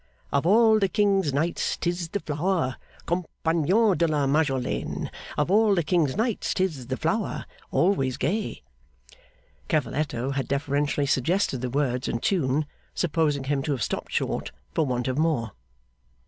'Of all the king's knights 'tis the flower, Compagnon de la Majolaine; Of all the king's knights 'tis the flower, Always gay!' Cavalletto had deferentially suggested the words and tune, supposing him to have stopped short for want of more.